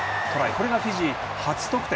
これがフィジー、初得点。